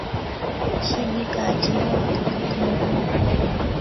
Shigi kaachiliwa kutoka tunduni